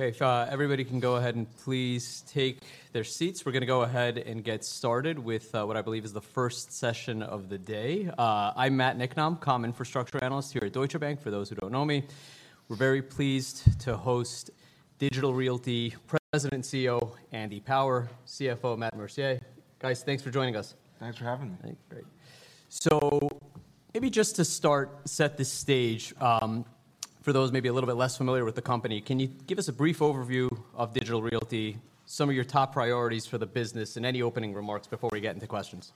Okay, everybody can go ahead and please take their seats. We're gonna go ahead and get started with what I believe is the first session of the day. I'm Matt Niknam, comm infrastructure analyst here at Deutsche Bank, for those who don't know me. We're very pleased to host Digital Realty President and CEO, Andy Power, CFO, Matt Mercier. Guys, thanks for joining us. Thanks for having me. Great. So maybe just to start, set the stage, for those maybe a little bit less familiar with the company. Can you give us a brief overview of Digital Realty, some of your top priorities for the business, and any opening remarks before we get into questions?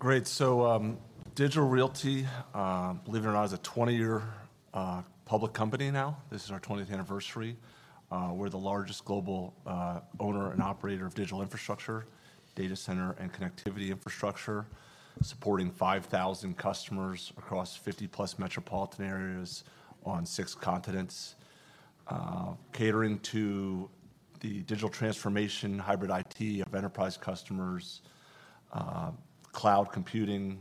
Great, so, Digital Realty, believe it or not, is a 20-year public company now. This is our 20th anniversary. We're the largest global owner and operator of digital infrastructure, data center, and connectivity infrastructure, supporting 5,000 customers across 50+ metropolitan areas on six continents. Catering to the digital transformation hybrid IT of enterprise customers, cloud computing,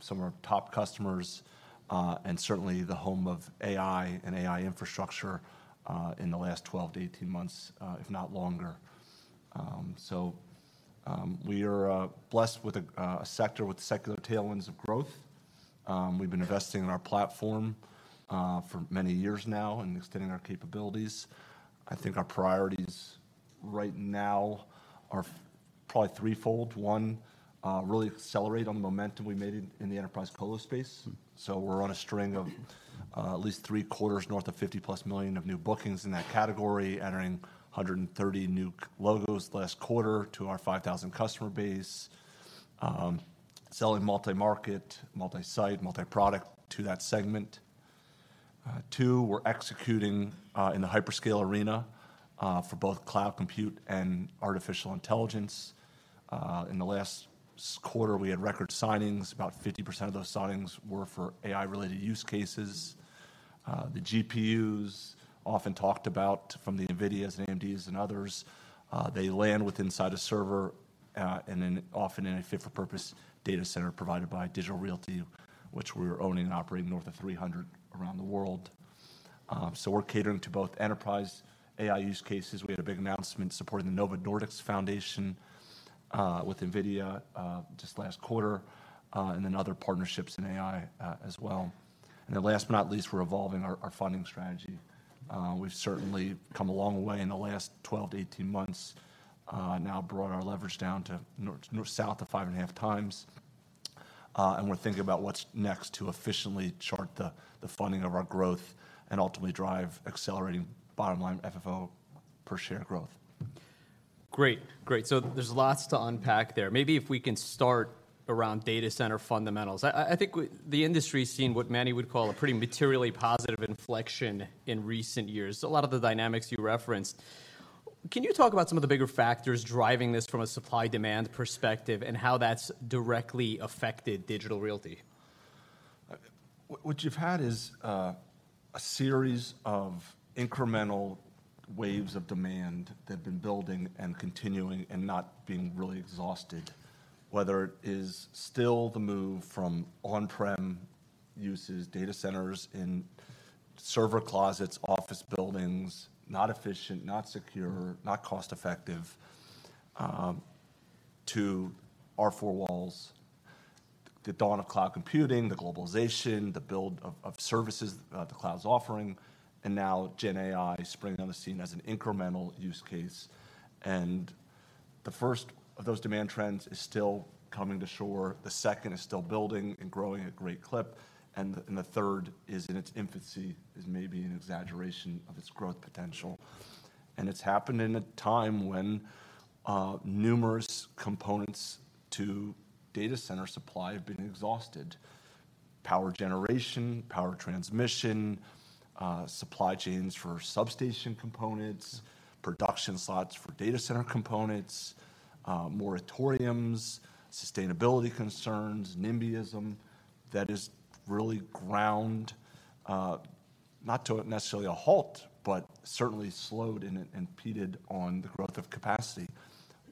some of our top customers, and certainly the home of AI and AI infrastructure, in the last 12-18 months, if not longer. So, we are blessed with a sector with secular tailwinds of growth. We've been investing in our platform for many years now and extending our capabilities. I think our priorities right now are probably threefold. One, really accelerate on the momentum we made in the enterprise colo space. So we're on a string of at least three quarters north of $50+ million of new bookings in that category, entering 130 new logos last quarter to our 5,000 customer base. Selling multi-market, multi-site, multi-product to that segment. Two, we're executing in the hyperscale arena for both cloud compute and artificial intelligence. In the last quarter, we had record signings. About 50% of those signings were for AI-related use cases. The GPUs, often talked about from the NVIDIAs, and AMDs, and others, they land within a server, and then often in a fit-for-purpose data center provided by Digital Realty, which we're owning and operating north of 300 around the world. So we're catering to both enterprise AI use cases. We had a big announcement supporting the Novo Nordisk Foundation with NVIDIA just last quarter, and then other partnerships in AI as well. Then last but not least, we're evolving our funding strategy. We've certainly come a long way in the last 12-18 months, now brought our leverage down to south of 5.5x and we're thinking about what's next to efficiently chart the funding of our growth and ultimately drive accelerating bottom-line FFO per share growth. Great. Great, so there's lots to unpack there. Maybe if we can start around data center fundamentals. I think the industry's seen what many would call a pretty materially positive inflection in recent years, so a lot of the dynamics you referenced. Can you talk about some of the bigger factors driving this from a supply-demand perspective and how that's directly affected Digital Realty? What you've had is a series of incremental waves of demand that have been building and continuing and not being really exhausted, whether it is still the move from on-prem uses, data centers in server closets, office buildings, not efficient, not secure, not cost-effective, to our four walls, the dawn of cloud computing, the globalization, the build of services, the cloud is offering, and now gen AI springing on the scene as an incremental use case. The first of those demand trends is still coming to shore, the second is still building and growing at a great clip, and the third is in its infancy, is maybe an exaggeration of its growth potential. It's happened in a time when, numerous components to data center supply have been exhausted: power generation, power transmission, supply chains for substation components, production slots for data center components, moratoriums, sustainability concerns, NIMBYism. That has really ground, not to a necessarily a halt, but certainly slowed and impeded on the growth of capacity.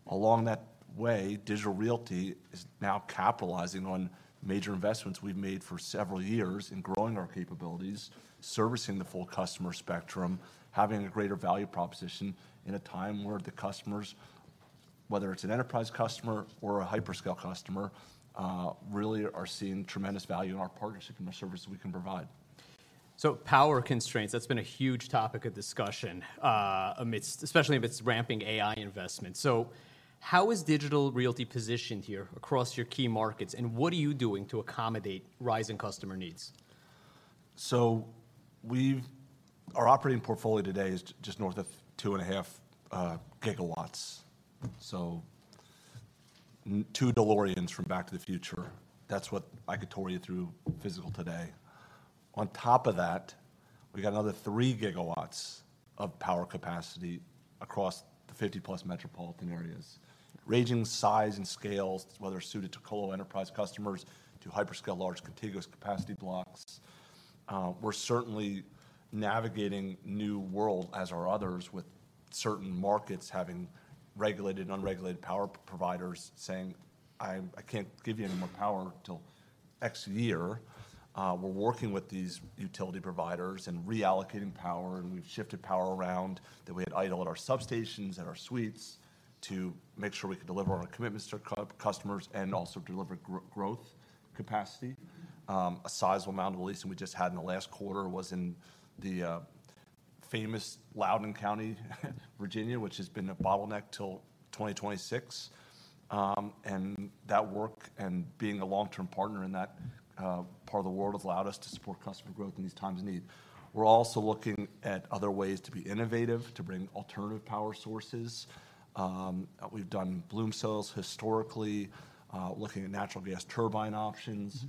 Along that way, Digital Realty is now capitalizing on major investments we've made for several years in growing our capabilities, servicing the full customer spectrum, having a greater value proposition in a time where the customers, whether it's an enterprise customer or a hyperscale customer, really are seeing tremendous value in our partnership and the services we can provide. So power constraints, that's been a huge topic of discussion, especially amidst ramping AI investment. So how is Digital Realty positioned here across your key markets, and what are you doing to accommodate rising customer needs? So we have our operating portfolio today is just north of 2.5 GW. So 2 DeLoreans from Back to the Future, that's what I could tour you through physically today. On top of that, we've got another 3 GW of power capacity across the 50+ metropolitan areas, ranging size and scales, whether suited to colo enterprise customers, to hyperscale large contiguous capacity blocks. We're certainly navigating new world, as are others, with certain markets having regulated and unregulated power providers saying, "I can't give you any more power till next year." We're working with these utility providers and reallocating power, and we've shifted power around that we had idle at our substations, at our suites, to make sure we can deliver on our commitments to customers and also deliver growth capacity. A sizable amount of the leasing we just had in the famous Loudoun County, Virginia, which has been a bottleneck till 2026. That work and being a long-term partner in that part of the world has allowed us to support customer growth in these times of need. We're also looking at other ways to be innovative, to bring alternative power sources. We've done Bloom cells historically, looking at natural gas turbine options.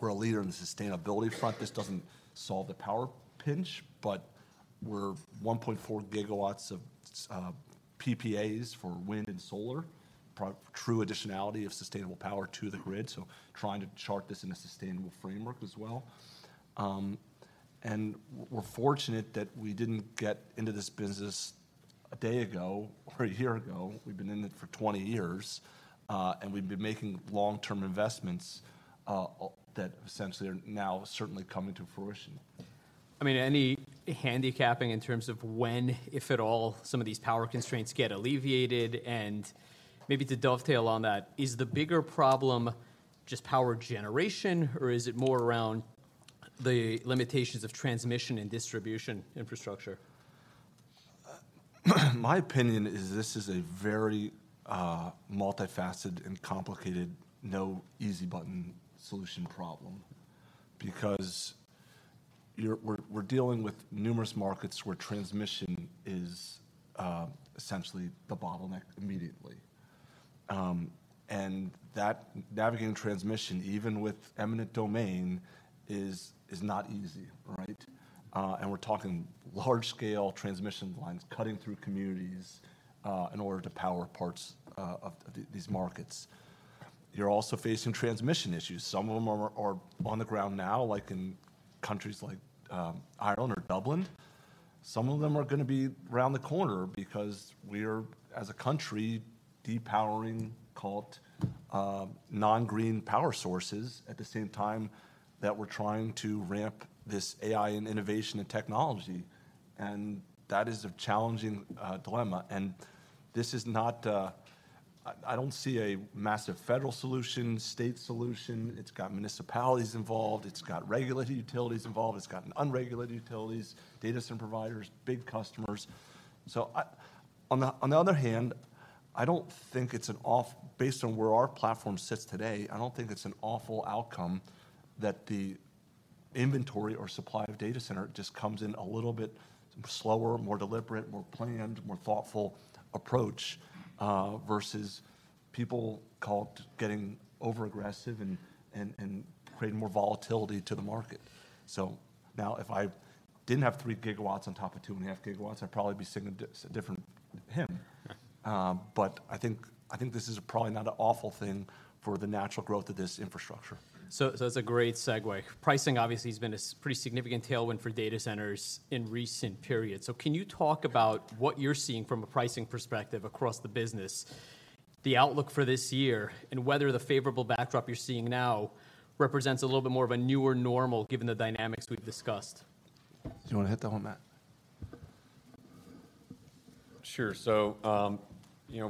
We're a leader in the sustainability front. This doesn't solve the power pinch, but we're 1.4 GW of PPAs for wind and solar, true additionality of sustainable power to the grid, so trying to chart this in a sustainable framework as well. We're fortunate that we didn't get into this business a day ago or a year ago. We've been in it for 20 years, and we've been making long-term investments that essentially are now certainly coming to fruition. I mean, any handicapping in terms of when, if at all, some of these power constraints get alleviated? Maybe to dovetail on that, is the bigger problem just power generation, or is it more around the limitations of transmission and distribution infrastructure? My opinion is this is a very, multifaceted and complicated, no easy button solution problem. Because we're dealing with numerous markets where transmission is essentially the bottleneck immediately. That, navigating transmission, even with eminent domain, is not easy, right? We're talking large-scale transmission lines cutting through communities, in order to power parts of these markets. You're also facing transmission issues. Some of them are on the ground now, like in countries like Ireland or Dublin. Some of them are gonna be around the corner because we're, as a country, de-powering, call it, non-green power sources, at the same time that we're trying to ramp this AI and innovation and technology, and that is a challenging dilemma. This is not... I don't see a massive federal solution, state solution. It's got municipalities involved, it's got regulated utilities involved, it's got unregulated utilities, data center providers, big customers. So on the other hand, I don't think it's an awful outcome based on where our platform sits today that the inventory or supply of data center just comes in a little bit slower, more deliberate, more planned, more thoughtful approach versus people call it getting overaggressive and creating more volatility to the market. So now, if I didn't have 3 GW on top of 2.5 GW, I'd probably be singing a different hymn. But I think, I think this is probably not an awful thing for the natural growth of this infrastructure. So, that's a great segue. Pricing obviously has been a pretty significant tailwind for data centers in recent periods. So can you talk about what you're seeing from a pricing perspective across the business, the outlook for this year, and whether the favorable backdrop you're seeing now represents a little bit more of a newer normal, given the dynamics we've discussed? Do you want to hit that one, Matt? Sure. So, you know,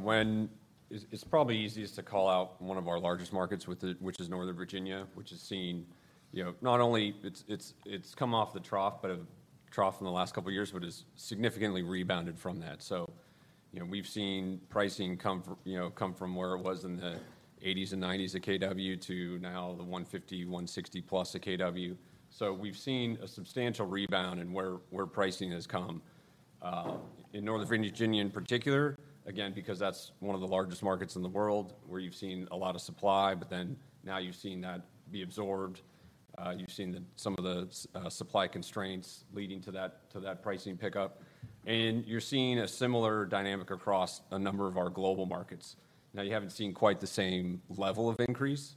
It's probably easiest to call out one of our largest markets with which is Northern Virginia, which has seen, you know, not only it's come off the trough, but a trough in the last couple of years, but has significantly rebounded from that. So, you know, we've seen pricing come from where it was in the $80s and $90s a kW, to now the $150, $160+ a kW. So we've seen a substantial rebound in where pricing has come. In Northern Virginia in particular, again, because that's one of the largest markets in the world, where you've seen a lot of supply, but then now you've seen that be absorbed. You've seen some of the supply constraints leading to that pricing pickup and you're seeing a similar dynamic across a number of our global markets. Now, you haven't seen quite the same level of increase,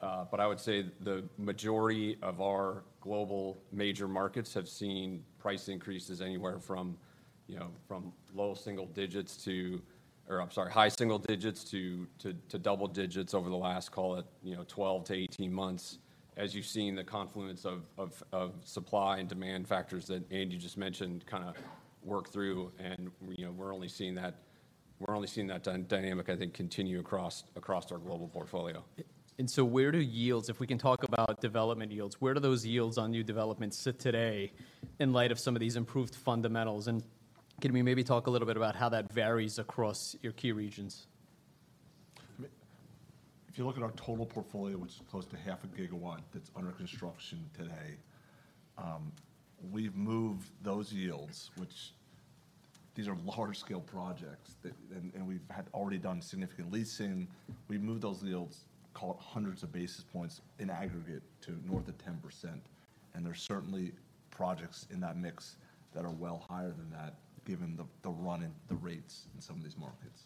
but I would say the majority of our global major markets have seen price increases anywhere from, you know, from high single digits to double digits over the last, call it, you know, 12-18 months, as you've seen the confluence of supply and demand factors that Andy just mentioned, kind of work through, and, you know, we're only seeing that dynamic, I think, continue across our global portfolio. So where do yields, if we can talk about development yields, where do those yields on new developments sit today in light of some of these improved fundamentals and can we maybe talk a little bit about how that varies across your key regions? I mean, if you look at our total portfolio, which is close to 0.5 GW, that's under construction today, we've moved those yields, which these are larger scale projects, and we've had already done significant leasing. We've moved those yields, call it hundreds of basis points in aggregate to north of 10%, and there are certainly projects in that mix that are well higher than that, given the run and the rates in some of these markets.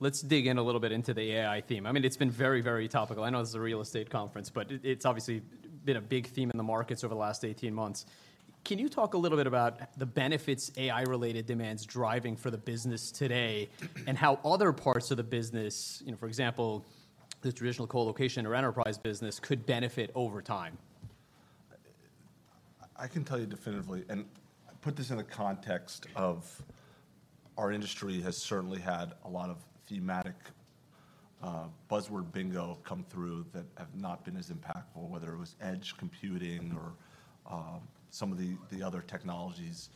Let's dig in a little bit into the AI theme. I mean, it's been very, very topical. I know this is a real estate conference, but it, it's obviously been a big theme in the markets over the last 18 months. Can you talk a little bit about the benefits AI-related demand's driving for the business today, and how other parts of the business, you know, for example, the traditional colocation or enterprise business, could benefit over time? I can tell you definitively, and put this in the context of our industry has certainly had a lot of thematic, buzzword bingo come through that have not been as impactful, whether it was edge computing or, some of the other technologies.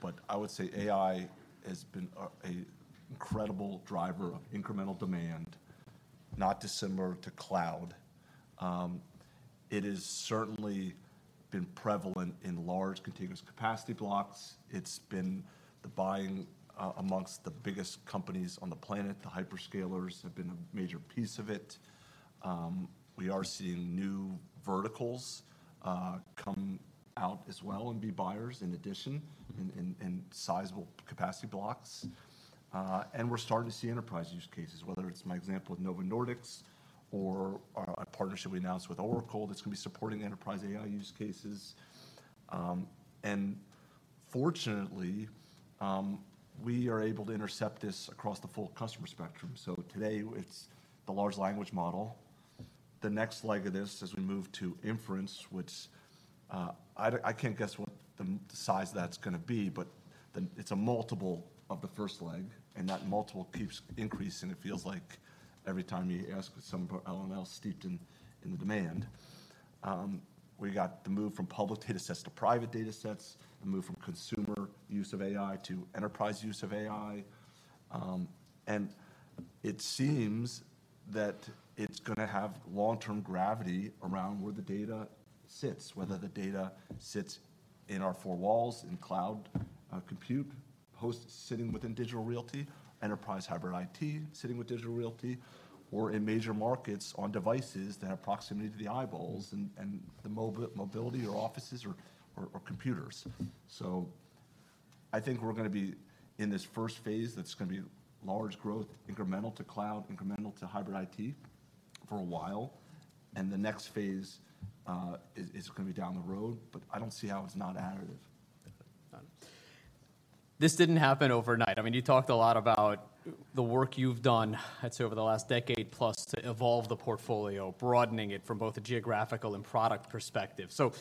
But I would say AI has been an incredible driver of incremental demand, not dissimilar to cloud. It has certainly been prevalent in large, contiguous capacity blocks. It's been the buying amongst the biggest companies on the planet. The hyperscalers have been a major piece of it. We are seeing new verticals come out as well and be buyers in addition in sizable capacity blocks and we're starting to see enterprise use cases, whether it's my example of Novo Nordisk or a partnership we announced with Oracle that's gonna be supporting enterprise AI use cases. Fortunately, we are able to intercept this across the full customer spectrum. So today, it's the large language model. The next leg of this, as we move to inference, which I can't guess what the size of that's gonna be, but it's a multiple of the first leg, and that multiple keeps increasing it feels like every time you ask someone about LLM steeped in the demand. We got the move from public data sets to private data sets, the move from consumer use of AI to enterprise use of AI. It seems that it's gonna have long-term gravity around where the data sits, whether the data sits in our four walls, in cloud, compute, hosts sitting within Digital Realty, enterprise hybrid IT sitting with Digital Realty, or in major markets on devices that have proximity to the eyeballs and the mobility or offices or computers. So I think we're gonna be in this first phase that's gonna be large growth, incremental to cloud, incremental to hybrid IT for a while, and the next phase is gonna be down the road, but I don't see how it's not additive. This didn't happen overnight. I mean, you talked a lot about the work you've done, I'd say over the last decade plus, to evolve the portfolio, broadening it from both a geographical and product perspective. So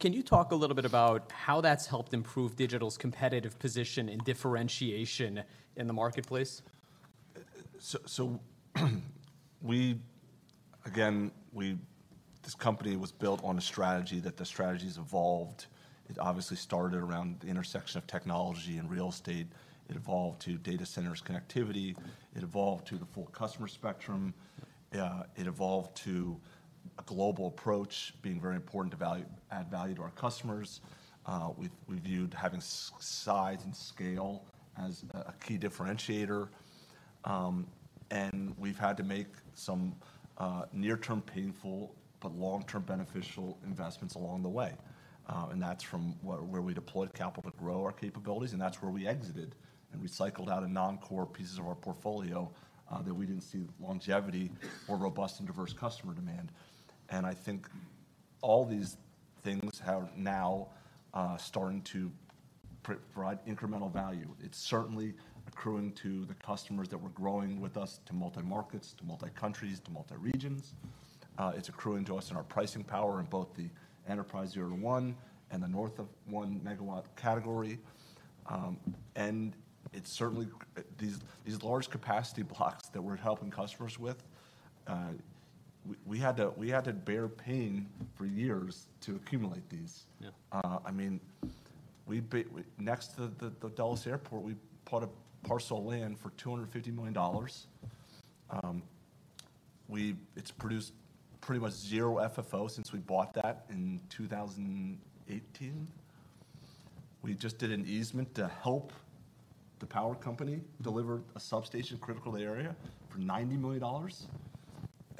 can you talk a little bit about how that's helped improve Digital's competitive position and differentiation in the marketplace? This company was built on a strategy that the strategy's evolved. It obviously started around the intersection of technology and real estate. It evolved to data centers, connectivity. It evolved to the full customer spectrum. It evolved to a global approach being very important to add value to our customers. We've viewed having size and scale as a key differentiator, and we've had to make some near-term painful, but long-term beneficial investments along the way. That's where we deployed capital to grow our capabilities, and that's where we exited, and we cycled out a non-core pieces of our portfolio that we didn't see longevity or robust and diverse customer demand. I think all these things have now starting to provide incremental value. It's certainly accruing to the customers that were growing with us, to multi-markets, to multi-countries, to multi-regions. It's accruing to us in our pricing power in both the enterprise 0-1 and the north of 1 MW category and it's certainly these large capacity blocks that we're helping customers with. We had to bear pain for years to accumulate these. Yeah. I mean, we bought a parcel of land next to the Dallas Airport for $250 million. It's produced pretty much zero FFO since we bought that in 2018. We just did an easement to help the power company deliver a substation critical to the area for $90 million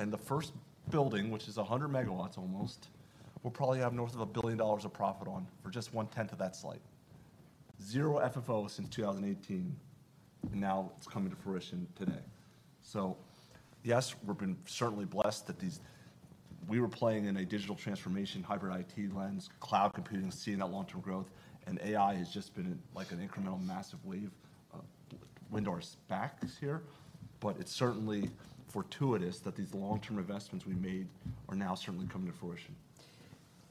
and the first building, which is almost 100 MW, we'll probably have north of $1 billion of profit on for just one-tenth of that site. Zero FFO since 2018, now it's coming to fruition today. So yes, we've been certainly blessed that these we were playing in a digital transformation, hybrid IT lens, cloud computing, seeing that long-term growth, and AI has just been like an incremental massive wave, wind our backs here. But it's certainly fortuitous that these long-term investments we made are now certainly coming to fruition.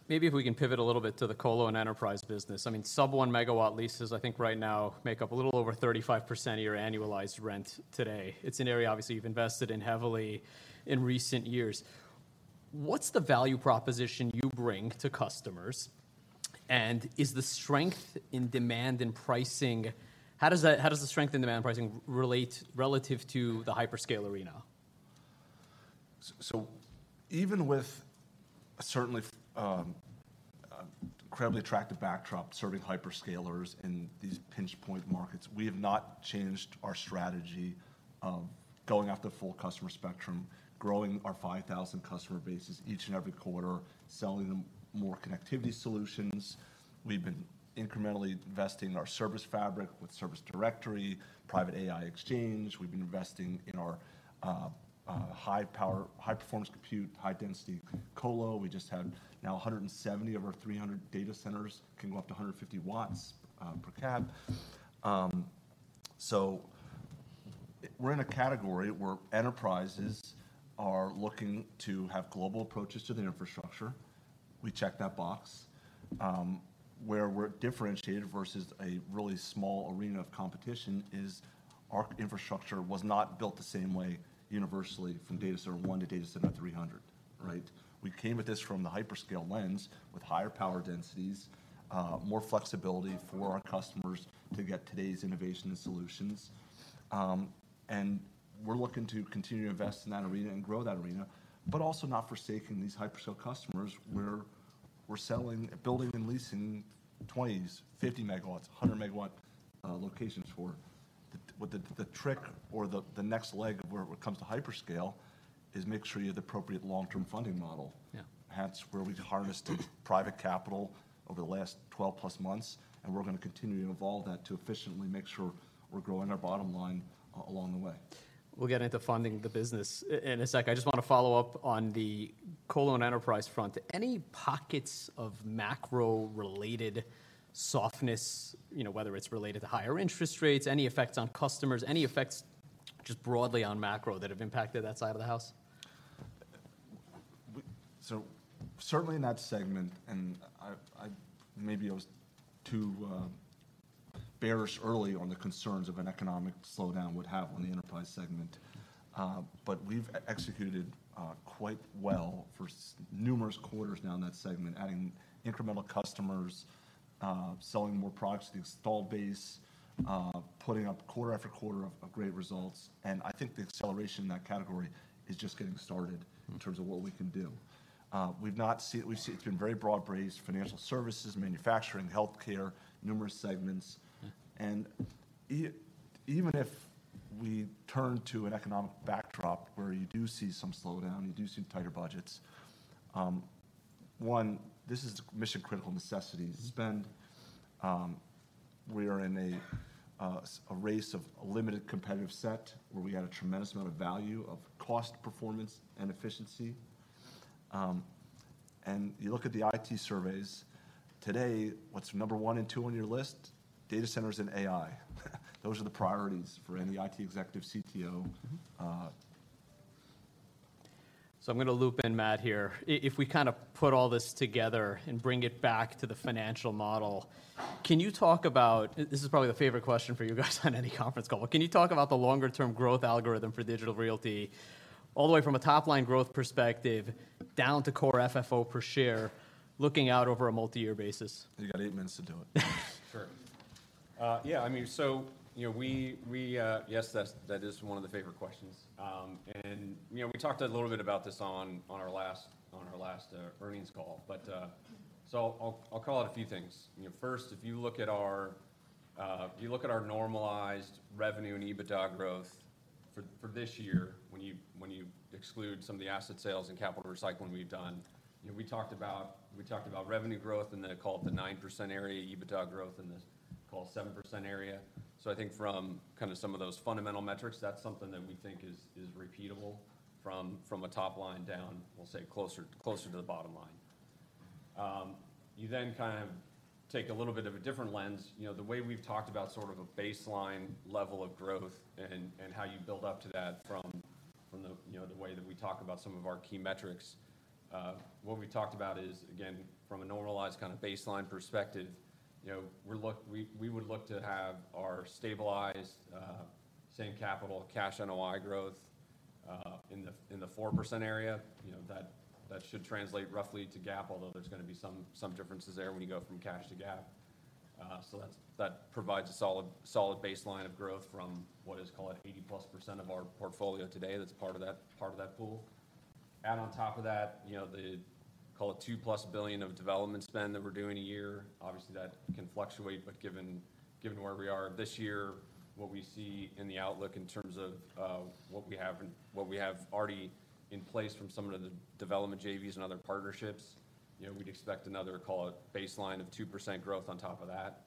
Maybe if we can pivot a little bit to the colo and enterprise business. I mean, sub-1 MW leases, I think right now make up a little over 35% of your annualized rent today. It's an area obviously, you've invested in heavily in recent years. What's the value proposition you bring to customers, and is the strength in demand and pricing. How does that, how does the strength in demand pricing relate relative to the hyperscale arena? So even with certainly, incredibly attractive backdrop serving hyperscalers in these pinch point markets. We have not changed our strategy of going after the full customer spectrum, growing our 5,000 customer bases each and every quarter, selling them more connectivity solutions. We've been incrementally investing in our ServiceFabric with Service Directory, Private AI Exchange. We've been investing in our high power, high performance compute, high density colo. We just have now 170 of our 300 data centers can go up to 150 kW per cab. So we're in a category where enterprises are looking to have global approaches to their infrastructure. We check that box. Where we're differentiated versus a really small arena of competition is our infrastructure was not built the same way universally from data center one to data center 300, right? We came at this from the hyperscale lens, with higher power densities, more flexibility for our customers to get today's innovation and solutions. We're looking to continue to invest in that arena and grow that arena, but also not forsaking these hyperscale customers, where we're selling, building, and leasing 20 MW, 50 MW, 100 MW locations for. But the trick or the next leg of where, when it comes to hyperscale, is make sure you have the appropriate long-term funding model. Yeah. Hence, where we've harnessed private capital over the last 12+ months, and we're going to continue to evolve that to efficiently make sure we're growing our bottom line along the way. We'll get into funding the business in a sec. I just want to follow up on the colo and enterprise front. Any pockets of macro-related softness, you know, whether it's related to higher interest rates, any effects on customers, any effects just broadly on macro that have impacted that side of the house? So certainly in that segment, and I maybe was too bearish early on the concerns of an economic slowdown would have on the enterprise segment. But we've executed quite well for numerous quarters now in that segment, adding incremental customers, selling more products to the installed base, putting up quarter-after-quarter of great results. I think the acceleration in that category is just getting started in terms of what we can do. It's been very broad-based, financial services, manufacturing, healthcare, numerous segments. Even if we turn to an economic backdrop where you do see some slowdown, you do see tighter budgets, one, this is mission-critical necessity. This has been... We are in a, a race of limited competitive set, where we had a tremendous amount of value of cost, performance, and efficiency. You look at the IT surveys, today, what's number one and two on your list? Data centers and AI. Those are the priorities for any IT executive, CTO. I'm going to loop in Matt here. If we kind of put all this together and bring it back to the financial model, can you talk about. This is probably the favorite question for you guys on any conference call. Can you talk about the longer-term growth algorithm for Digital Realty, all the way from a top-line growth perspective down to core FFO per share, looking out over a multi-year basis? You got eight minutes to do it. Sure. Yeah, I mean, so you know, yes, that is one of the favorite questions and you know, we talked a little bit about this on our last earnings call. But so I'll call out a few things. You know, first, if you look at our normalized revenue and EBITDA growth for this year, when you exclude some of the asset sales and capital recycling we've done, you know, we talked about revenue growth in the nine percent area, EBITDA growth in the seven percent area. So I think from kind of some of those fundamental metrics, that's something that we think is repeatable from a top line down, we'll say, closer to the bottom line. You then kind of take a little bit of a different lens. You know, the way we've talked about sort of a baseline level of growth and how you build up to that from the, you know, the way that we talk about some of our key metrics, what we talked about is, again, from a normalized kind of baseline perspective, you know, we would look to have our stabilized same capital cash NOI growth in the 4% area. You know, that should translate roughly to GAAP, although there's going to be some differences there when you go from cash to GAAP. So that provides a solid baseline of growth from what is, call it, 80%+ of our portfolio today, that's part of that pool. Add on top of that, you know, the call it $2+ billion of development spend that we're doing a year. Obviously, that can fluctuate, but given where we are this year, what we see in the outlook in terms of what we have and what we have already in place from some of the development JVs and other partnerships, you know, we'd expect another call it baseline of 2% growth on top of that.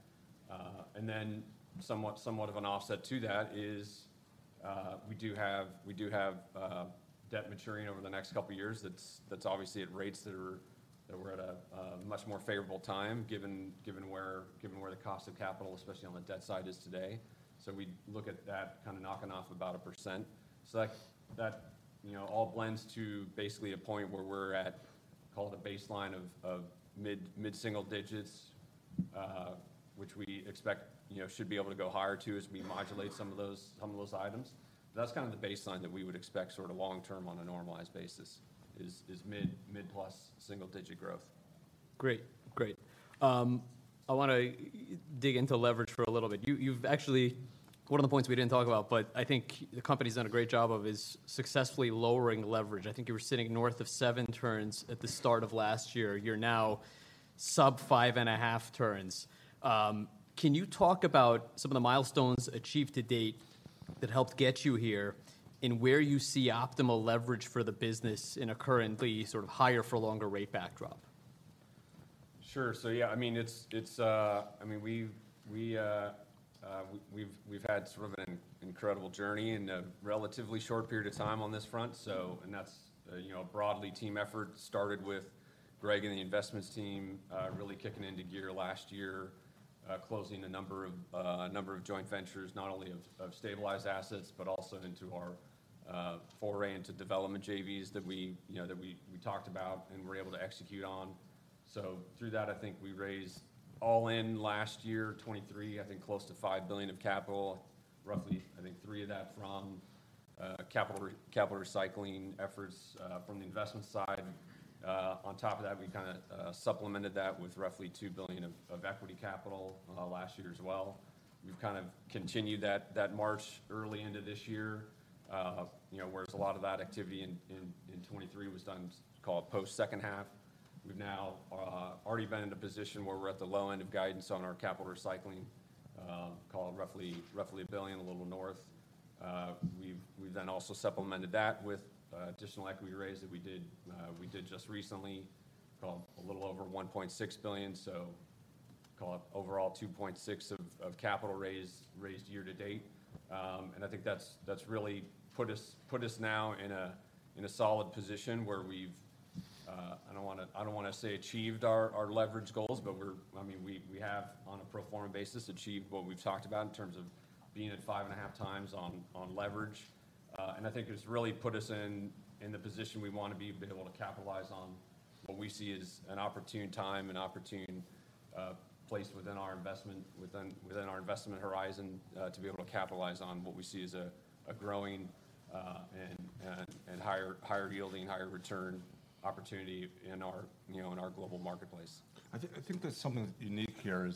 Then somewhat of an offset to that is, we do have debt maturing over the next couple of years that's obviously at rates that were at a much more favorable time, given where the cost of capital, especially on the debt side, is today. So we look at that kind of knocking off about 1%. So that, you know, all blends to basically a point where we're at, call it a baseline of mid-single digits, which we expect, you know, should be able to go higher to as we modulate some of those items. That's kind of the baseline that we would expect sort of long term on a normalized basis is mid-plus single-digit growth. Great. Great. I want to dig into leverage for a little bit. One of the points we didn't talk about, but I think the company's done a great job of, is successfully lowering leverage. I think you were sitting north of 7x at the start of last year. You're now sub 5.5x. Can you talk about some of the milestones achieved to-date that helped get you here, and where you see optimal leverage for the business in a currently sort of higher for longer rate backdrop? Sure. So yeah, I mean, it's... I mean, we've had sort of an incredible journey in a relatively short period of time on this front. So, and that's, you know, a broad team effort, started with Greg and the investments team, really kicking into gear last year, closing a number of joint ventures, not only of stabilized assets, but also into our foray into development JVs that we, you know, that we talked about and were able to execute on. So through that, I think we raised all in last year, 2023, I think close to $5 billion of capital. Roughly, I think $3 billion of that from capital recycling efforts from the investment side. On top of that, we kinda supplemented that with roughly $2 billion of equity capital last year as well. We've kind of continued that march early into this year. You know, whereas a lot of that activity in 2023 was done call it post-second half, we've now already been in a position where we're at the low end of guidance on our capital recycling, call it roughly $1 billion, a little north. We've then also supplemented that with additional equity raise that we did just recently, call it a little over $1.6 billion, so call it overall $2.6 billion of capital raised year to date. I think that's really put us now in a solid position where we've—I don't wanna say achieved our leverage goals, but we're... I mean, we have, on a pro forma basis, achieved what we've talked about in terms of being at 5.5x leverage. I think it's really put us in the position we wanna be able to capitalize on what we see as an opportune time and opportune place within our investment horizon to be able to capitalize on what we see as a growing and higher yielding, higher return opportunity in our, you know, global marketplace. I think there's something unique here.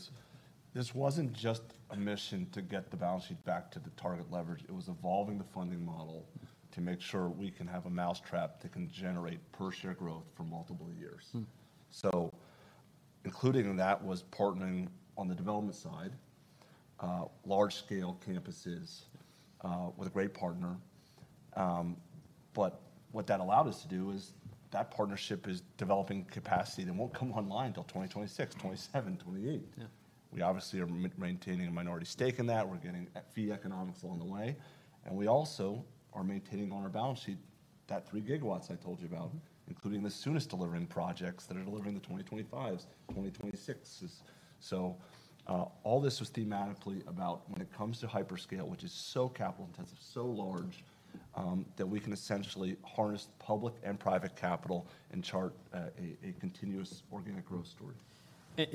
This wasn't just a mission to get the balance sheet back to the target leverage. It was evolving the funding model to make sure we can have a mousetrap that can generate per share growth for multiple years. So including in that was partnering on the development side, large scale campuses, with a great partner, but what that allowed us to do is, that partnership is developing capacity that won't come online till 2026, 2027, 2028. We obviously are maintaining a minority stake in that. We're getting fee economics along the way, and we also are maintaining on our balance sheet that 3 GW I told you about, including the soonest delivering projects that are delivering the 2025s, 2026s. So, all this was thematically about when it comes to hyperscale, which is so capital intensive, so large, that we can essentially harness public and private capital and chart a continuous organic growth story.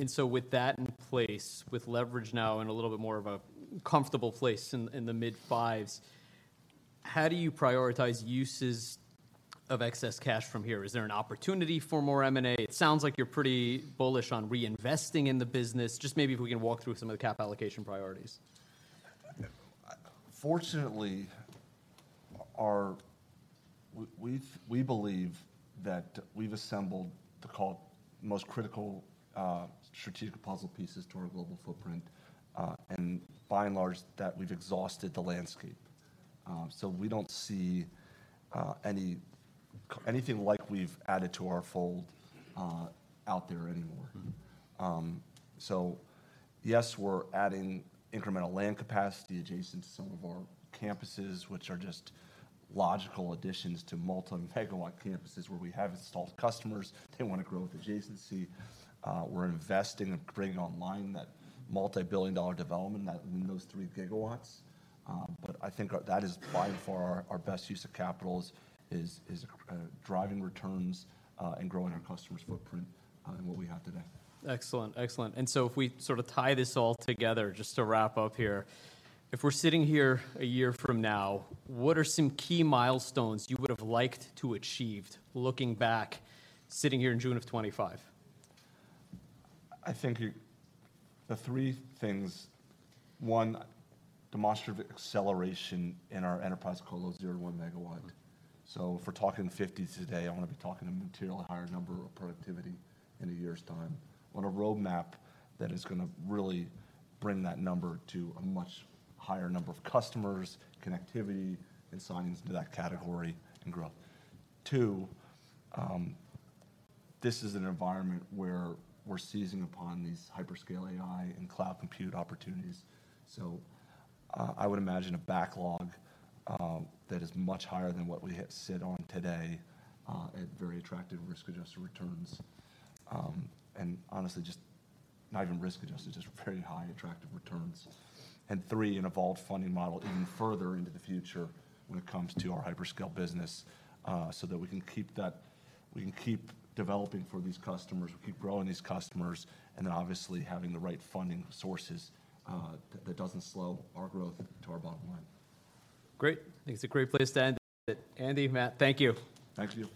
So with that in place, with leverage now in a little bit more of a comfortable place in the mid-fives, how do you prioritize uses of excess cash from here? Is there an opportunity for more M&A? It sounds like you're pretty bullish on reinvesting in the business. Just maybe if we can walk through some of the cap allocation priorities. Fortunately, we believe that we've assembled the most critical strategic puzzle pieces to our global footprint, and by and large, that we've exhausted the landscape. So we don't see anything like we've added to our fold out there anymore. So yes, we're adding incremental land capacity adjacent to some of our campuses, which are just logical additions to multi-megawatt campuses where we have installed customers. They wanna grow with adjacency. We're investing and bringing online that multi-billion dollar development in those 3 GW. But I think that is by far our best use of capital is driving returns, and growing our customers' footprint than what we have today. Excellent, excellent. So if we sort of tie this all together, just to wrap up here, if we're sitting here a year from now, what are some key milestones you would have liked to achieved, looking back, sitting here in June of 2025? I think the three things: One, demonstrate acceleration in our enterprise colo 0-1 MW. So if we're talking 50s today, I wanna be talking a material higher number of productivity in a year's time. On a roadmap that is gonna really bring that number to a much higher number of customers, connectivity, and signings to that category and growth. Two, this is an environment where we're seizing upon these hyperscale AI and cloud compute opportunities. So, I would imagine a backlog, that is much higher than what we sit on today, at very attractive risk-adjusted returns. Honestly, just not even risk-adjusted, just very high attractive returns. Three, an evolved funding model even further into the future when it comes to our hyperscale business, so that we can keep developing for these customers, we keep growing these customers, and then obviously having the right funding sources that doesn't slow our growth to our bottom line. Great. I think it's a great place to end it. Andy, Matt, thank you. Thank you.